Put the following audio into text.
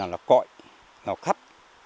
là cõi là khắp